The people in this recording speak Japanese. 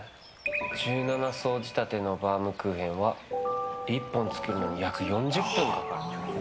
１７層仕立てのバウムクーヘンは１本作るのに約４０分かかる。